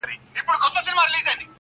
• دا ټولنه به نو څنکه اصلاح کيږي,